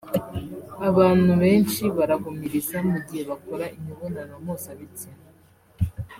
Abantu benshi barahumiriza mu gihe bakora imibonano mpuzabitsina